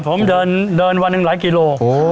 ครับครับผมเดินวัน๑ละกิโล